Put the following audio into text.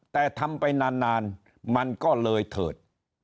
แต่ทำไปนานมันก็เลยเถิด